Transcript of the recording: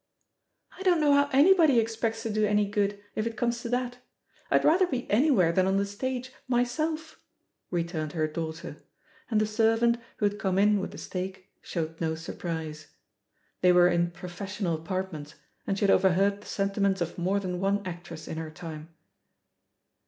"I don't know how anybody expects to do any good, if it comes to that. I'd rather be anywhere than on the stage, myself," returned her daugh ter; and the servant, who had come in with the steak, showed no surprise. They were in "pro fessional apartments," and she had overheard the sentiments of more than one actress in her time.